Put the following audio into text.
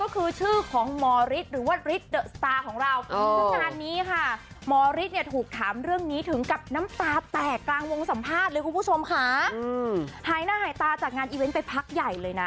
ขอบคุณผู้ชมค่ะหายหน้าหายตาจากงานอีเวนต์ไปพักใหญ่เลยนะ